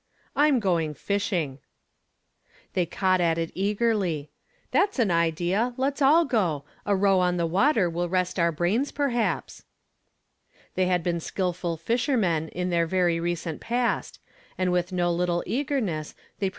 " I'm going fishing !" They caught at it eagerly, u That's an ide^; et s all go. A row on the water will rest our brains perhaps." They had been skilful fishermen in their verv recent past, and with no little eagerness they pre. 886 YESTERDAY FKAMED IN TO DAf.